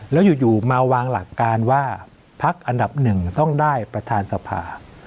แล้วอยู่มาวางหลักการว่าพักอันดับหนึ่งต้องได้ประธานสภา